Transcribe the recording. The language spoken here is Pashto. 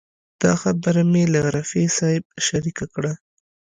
دا خبره مې له رفیع صاحب شریکه کړه.